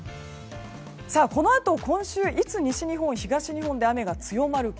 このあと今週いつ西日本、東日本で雨が強まるか。